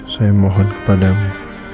saya mohon kepada mu